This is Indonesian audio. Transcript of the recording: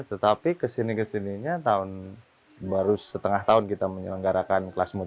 tetapi kesini kesininya baru setengah tahun kita menyelenggarakan kelas mutu